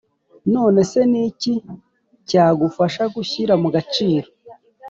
None se ni iki cyagufasha gushyira mu gaciro?